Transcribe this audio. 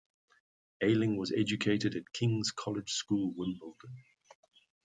Ayling was educated at King's College School, Wimbledon.